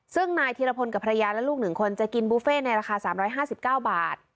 ซึ่งนายเทียรพลกับภรรยาและลูกหนึ่งคนจะกินบุฟเฟ่ในราคาสามร้อยห้าสิบเก้าบาท